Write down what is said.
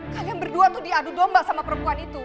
kalian berdua tuh diadu domba sama perempuan itu